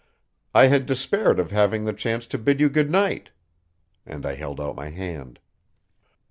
"I had despaired of having the chance to bid you good night." And I held out my hand.